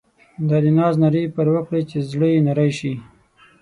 دا د ناز نارې یې پر وکړې چې زړه یې نری شي.